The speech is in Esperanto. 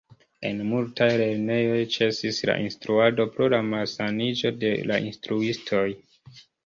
En multaj lernejoj ĉesis la instruado pro la malsaniĝo de la instruistoj.